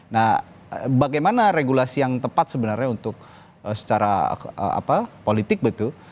nah bagaimana regulasi yang tepat sebenarnya untuk secara politik betul